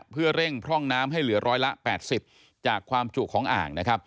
เพื่อเร่งพร่องน้ำให้เหลือร้อยละ๘๐จากความจุของอ่าง